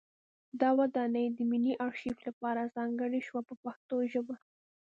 دا ودانۍ د ملي ارشیف لپاره ځانګړې شوه په پښتو ژبه.